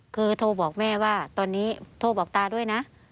คือโทรบอกแม่ว่าตอนนี้โทรบอกตาด้วยนะ